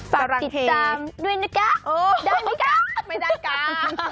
ฝากติดตามด้วยนะคะได้มั้ยคะไม่ได้กล้า